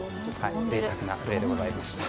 贅沢なプレーでございました。